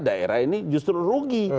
daerah ini justru rugi